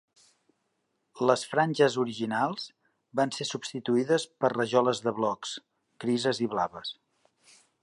Les franges originals van ser substituïdes per rajoles de blocs grises i blaves.